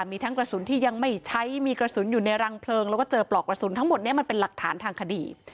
มีทั้งกระสุนที่ยังไม่ใช้มีกระสุนอยู่ในรังเพลิงแล้วก็เจอปลอกกระสุนทั้งหมดนี้มันเป็นหลักฐานทางคดี